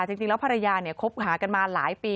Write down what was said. จริงแล้วภรรยาเนี่ยคบหากันมาหลายปี